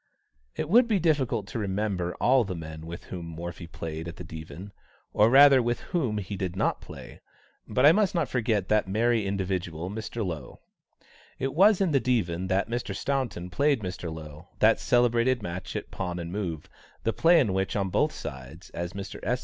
It would be difficult to remember all the men with whom Morphy played at the Divan; or, rather, with whom he did not play. But I must not forget that merry individual, Mr. Lowe. It was in the Divan that Mr. Staunton played Mr. Lowe that celebrated match at pawn and move, the play in which on both sides, as Mr. S.